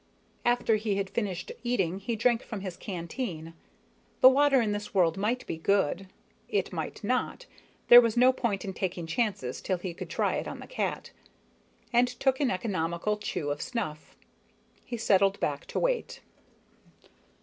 After he had finished eating he drank from his canteen the water in this world might be good, it might not, there was no point in taking chances till he could try it on the cat and took an economical chew of snuff. He settled back to wait.